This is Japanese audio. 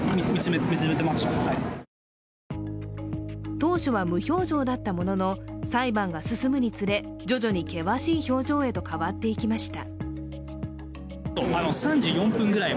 当初は無表情だったものの裁判が進むにつれ、徐々に険しい表情へと変わっていきました。